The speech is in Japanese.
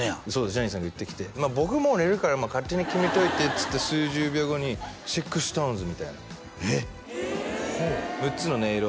ジャニーさんが言ってきて「僕もう寝るから勝手に決めといて」っつって数十秒後にＳＩＸＴＯＮＥＳみたいな６つの音色